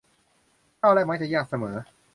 ก้าวแรกมักจะยากเสมอ